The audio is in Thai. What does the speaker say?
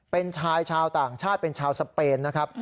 เป็นชายชาวต่างชาติเป็นชาวสเปนนะครับ